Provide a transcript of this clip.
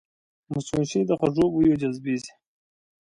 مچمچۍ د خوږو بویو جذبېږي